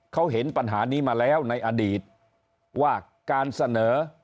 เขาเห็นปัญหานี้มาแล้วในอดีตว่าการเสนอ